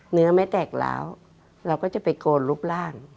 เนื้อไม่แตกแล้วเราก็จะไปโกนรูปร่าง